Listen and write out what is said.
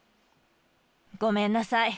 ごめんなさい。